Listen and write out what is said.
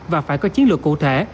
và phải có chiến lược cụ thể